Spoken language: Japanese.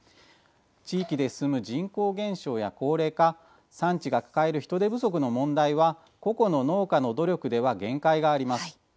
地域で進む人口減少や高齢化産地が抱える人手不足の問題は個々の農家の努力では限界があります。